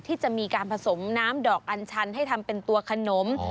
ที่จะมีการผสมน้ำดอกอัญชันให้ทำเป็นตัวขนม